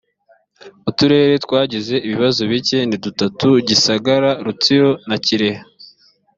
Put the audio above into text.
uturere twagize ibibazo bike ni dutatu gisagara , rutsiro na kirehe